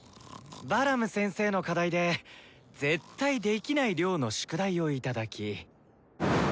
バラム先生の課題で絶対できない量の宿題を頂き。